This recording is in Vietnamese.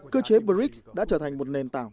cơ chế brics đã trở thành một nền tảng